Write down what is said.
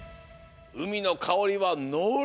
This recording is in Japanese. うみのかおりはのり！